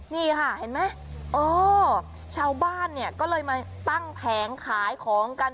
นี่ค่ะเห็นไหมเออชาวบ้านเนี่ยก็เลยมาตั้งแผงขายของกัน